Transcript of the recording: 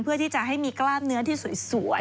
เพื่อที่จะให้มีกล้ามเนื้อที่สวย